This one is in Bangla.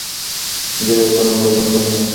জাইয়া কোন পছন্দ নেই।